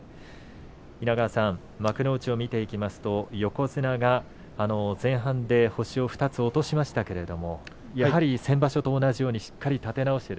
稲川さん、幕内を見ていきますと横綱が前半で星を２つ落としましたけれどやはり先場所と同じようにしっかりと立て直して。